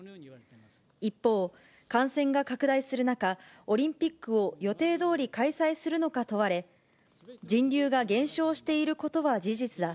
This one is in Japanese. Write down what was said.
一方、感染が拡大する中、オリンピックを予定どおり開催するのか問われ、人流が減少していることは事実だ。